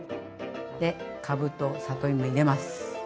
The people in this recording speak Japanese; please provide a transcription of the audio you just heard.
でかぶと里芋入れます。